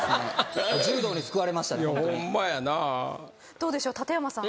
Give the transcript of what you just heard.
どうでしょう館山さん